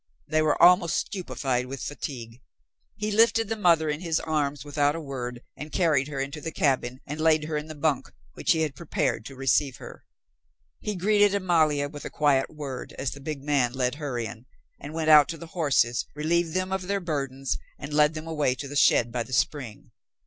They were almost stupefied with fatigue. He lifted the mother in his arms without a word and carried her into the cabin and laid her in the bunk, which he had prepared to receive her. He greeted Amalia with a quiet word as the big man led her in, and went out to the horses, relieved them of their burdens, and led them away to the shed by the spring.